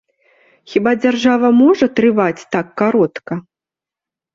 Хіба дзяржава можа трываць так каротка?